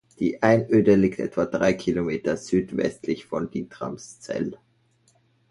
Die Einöde liegt etwa drei Kilometer südwestlich von Dietramszell.